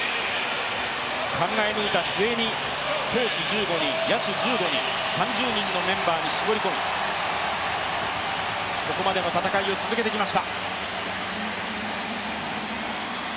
考え抜いた末に投手１５人、野手１５人３０人のメンバーに絞り込み、ここまでの戦いを続けてきました。